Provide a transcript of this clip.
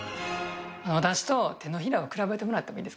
私と手のひらを比べてもらってもいいですか？